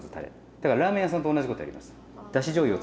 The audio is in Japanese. だからラーメン屋さんと同じことやります。